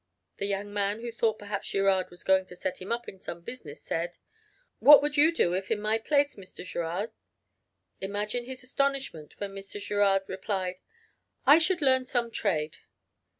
The young man who thought perhaps Girard was going to set him up in some business, said, "What would you do if in my place, Mr. Girard?" Imagine his astonishment when Mr. Girard replied, "I should learn some trade."